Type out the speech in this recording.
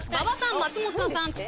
馬場さん松本さん